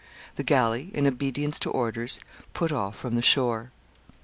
The galley, in obedience to orders, put off from the shore.